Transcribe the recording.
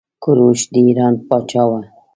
کوروش د ايران پاچا وه.